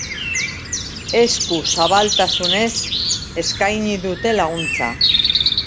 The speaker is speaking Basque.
Eskuzabaltasunez eskaini dute laguntza.